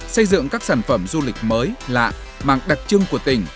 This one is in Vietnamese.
xây dựng các sản phẩm du lịch mới lạ mang đặc trưng của tỉnh